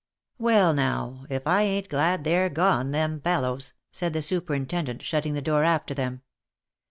." Well now, if I : ain't glad they're gone, them fellows," said the superintendent shutting the door after _ them.